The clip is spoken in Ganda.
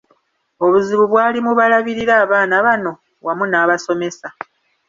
Obuzibu bwali mu balabirira abaana bano wamu n’abasomesa.